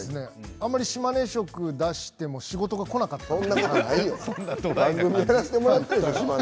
あまり島根色を出しても仕事がこなかったんで。